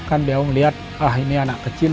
kan beliau melihat ah ini anak kecil